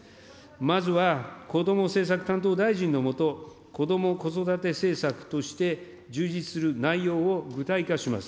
まずはこども政策担当大臣の下、こども・子育て政策として充実する内容を具体化します。